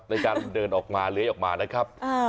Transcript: ในการเดินออกมาเลื้อยออกมานะครับ